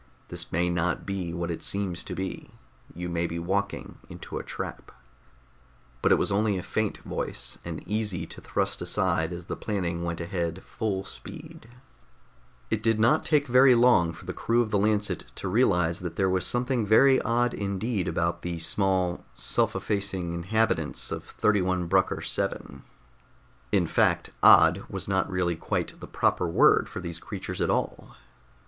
This may not be what it seems to be; you may be walking into a trap...._ But it was only a faint voice, and easy to thrust aside as the planning went ahead full speed. It did not take very long for the crew of the Lancet to realize that there was something very odd indeed about the small, self effacing inhabitants of 31 Brucker VII. In fact, "odd" was not really quite the proper word for these creatures at all.